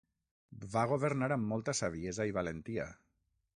Va governar amb molta saviesa i valentia.